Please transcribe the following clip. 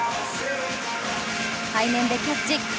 背面でキャッチ。